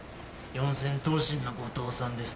四千頭身の後藤さんですか？